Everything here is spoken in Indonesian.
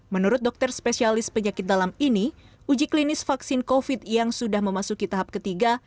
menurut dokter spesialis penyakit dalam ini uji klinis vaksin covid yang sudah memasuki tahap ketiga